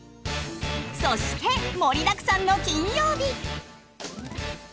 そして盛りだくさんの金曜日。